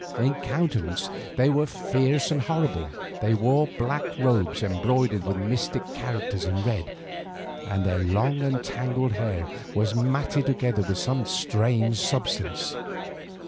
In countenance they were fierce and horrible; they wore black robes embroidered with mystic characters in red, and their long and tangled hair was matted together with some strange substance.